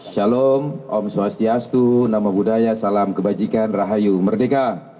shalom om swastiastu nama budaya salam kebajikan rahayu merdeka